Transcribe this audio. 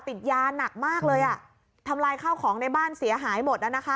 ติดยาหนักมากเลยอ่ะทำลายข้าวของในบ้านเสียหายหมดแล้วนะคะ